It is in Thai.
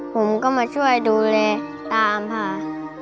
ผมก็มาช่วยดูเลตาอำภา